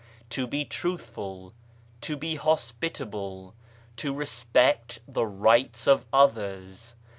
"To be truthful. "To be hospitable. "To respect the rights of others.